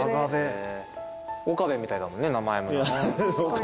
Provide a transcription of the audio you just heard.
岡部みたいだもんね名前。